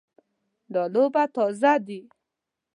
دا اوبه تازه دي